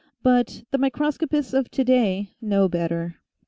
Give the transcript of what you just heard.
But the microscopists of to day know better.